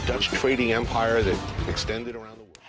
empire percobaan jepang yang berkelanjutan di seluruh dunia